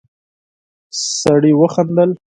سړی وخندل.